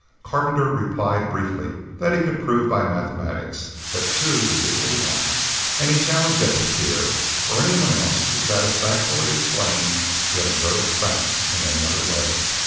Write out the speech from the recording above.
Carpenter replied briefly that he could prove by mathematics that two was equal to one and he challenged Despetier or anyone else to satisfactorily explain the observed facts in any other way.